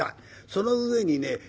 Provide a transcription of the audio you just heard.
その上にね